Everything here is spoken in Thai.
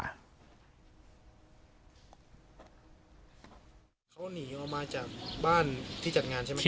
เขาหนีออกมาจากบ้านที่จัดงานใช่ไหม